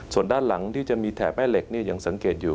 ส่วนด้านหลังที่จะมีแถบแม่เหล็กยังสังเกตอยู่